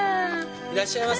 いらっしゃいませ。